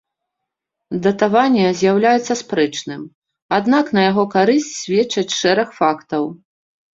Датаванне з'яўляецца спрэчным, аднак на яе карысць сведчыць шэраг фактаў.